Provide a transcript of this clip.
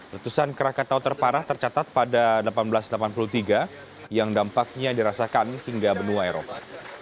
letusan krakatau terparah tercatat pada seribu delapan ratus delapan puluh tiga yang dampaknya dirasakan hingga benua eropa